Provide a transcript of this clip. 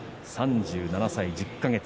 ３７歳１０か月